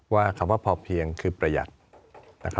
ว่าคำว่าพอเพียงคือประหยัดนะครับ